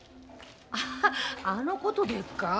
あああのことでっか。